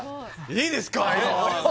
いいですか？